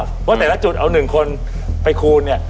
เพราะแต่ละจุดเอา๑คนไปคูณเนี่ย